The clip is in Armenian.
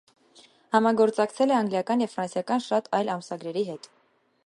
Համագործակցել է անգլիական և ֆրանսիական շատ այլ ամսագրերի հետ։